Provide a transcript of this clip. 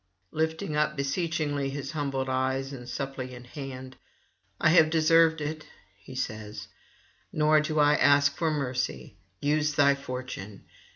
Lifting up beseechingly his humbled eyes and suppliant hand: 'I have deserved it,' he says, 'nor do I ask for mercy; use thy fortune.